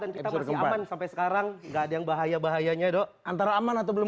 dan kita masih aman sampai sekarang enggak ada yang bahaya bahayanya do antara aman atau belum